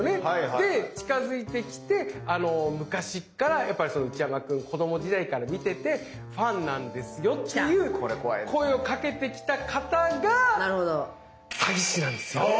で近づいてきて「昔から内山君子ども時代から見ててファンなんですよ」っていう声をかけてきた方がえ⁉